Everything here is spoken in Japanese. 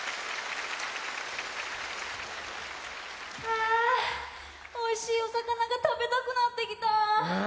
あぁおいしいおさかなが食べたくなってきた。